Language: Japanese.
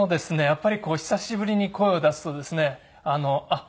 やっぱり久しぶりに声を出すとですねあっ